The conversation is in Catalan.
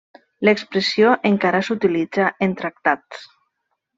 L'expressió encara s'utilitza en tractats.